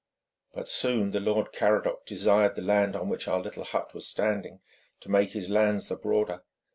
But soon the Lord Caradoc desired the land on which our little hut was standing, to make his lands the broader.